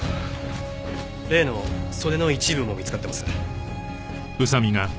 例の袖の一部も見つかってます。